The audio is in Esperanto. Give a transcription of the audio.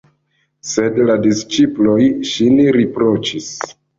Sed la disĉiploj ŝin riproĉis.